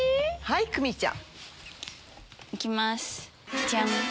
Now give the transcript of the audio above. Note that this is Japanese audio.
はい久美ちゃん。